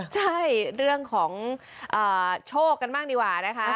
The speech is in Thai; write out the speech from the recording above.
ใช่เรื่องของโชคกันบ้างดีกว่านะคะ